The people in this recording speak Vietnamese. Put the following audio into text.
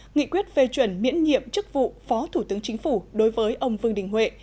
nghị quyết về chuẩn miễn nhiệm chức vụ phó thủ tướng chính phủ đối với ông vương đình huệ